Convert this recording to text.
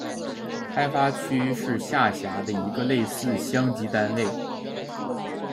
开发区是下辖的一个类似乡级单位。